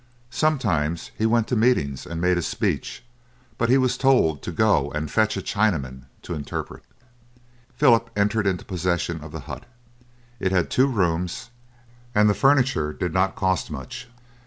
Sometimes he went to meetings, and made a speech, but he was told to go and fetch a Chinaman to interpret. Philip entered into possession of the hut. It had two rooms, and the furniture did not cost much.